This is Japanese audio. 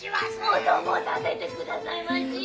お供させてくださいまし！